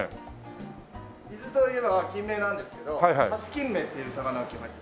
伊豆といえばキンメなんですけどハシキンメっていう魚が今日入ってて。